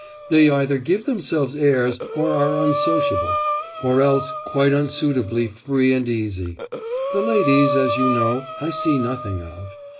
They either give themselves airs or are unsociable, or else quite unsuitably free and easy. The ladies, as you know, I see nothing of.